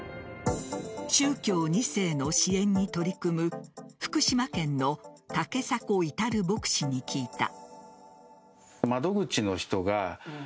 宗教２世の支援に取り組む福島県の竹迫之牧師に聞いた。